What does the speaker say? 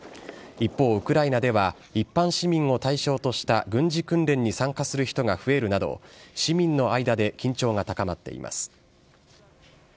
一方、ウクライナでは、一般市民を対象とした軍事訓練に参加する人が増えるなど、市民の間で緊張が高まっています。